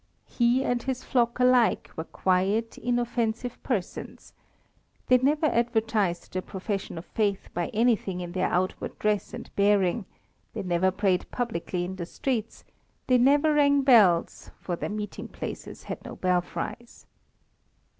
He and his flock alike were quiet, inoffensive persons. They never advertised their profession of faith by anything in their outward dress and bearing; they never prayed publicly in the streets; they never rang bells, for their meeting places had no belfries.